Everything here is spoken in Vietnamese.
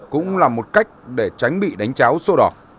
cũng là một cách để tránh bị đánh cháo đỏ